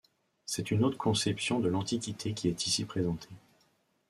C'est une autre conception de l'Antiquité qui est ici présentée.